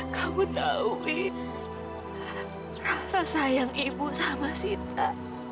kamu tahu rasa sayang ibu sama sita